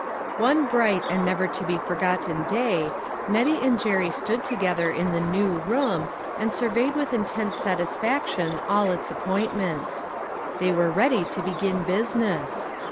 bright and never to be forgotten day, Nettie and Jerry stood together in the "new" room and surveyed with intense satis faction all its appointments. They were ready to begin business.